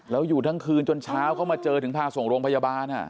แล้วอยู่ทั้งคืนจนเช้าเข้ามาเจอถึงพาส่งโรงพยาบาล